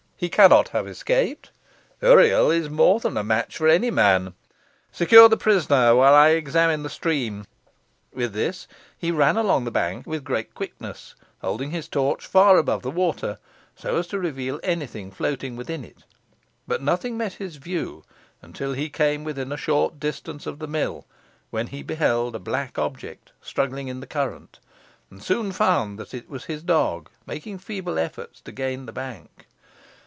"He cannot have escaped. Uriel is more than a match for any man. Secure the prisoner while I examine the stream." With this, he ran along the bank with great quickness, holding his torch far over the water, so as to reveal any thing floating within it, but nothing met his view until he came within a short distance of the mill, when he beheld a black object struggling in the current, and soon found that it was his dog making feeble efforts to gain the bank.